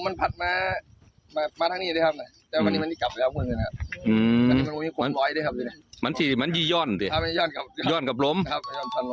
ตอนนั้นทำไมอย่างผมอยู่บ้านเนี่ยอยู่บ้านเราเห็นขึ้นอ๋อท้ายมาจากนี้